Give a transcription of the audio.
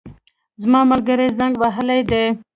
زما ملګري زنګ وهلی دی